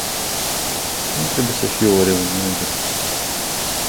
Nu trebuie să fie o reuniune de rutină.